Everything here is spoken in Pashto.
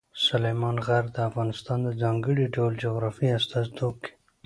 سلیمان غر د افغانستان د ځانګړي ډول جغرافیې استازیتوب کوي.